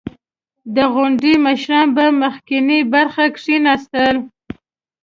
• د غونډې مشران په مخکینۍ برخه کښېناستل.